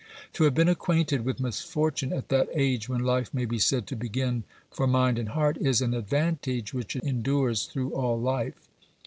To have been acquainted with misfortune at that age when life may be said to begin for mind and heart is an advantage which endures through all Hfe.